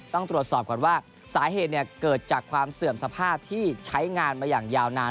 ต้องตรวจสอบก่อนว่าสาเหตุเกิดจากความเสื่อมสภาพที่ใช้งานมาอย่างยาวนาน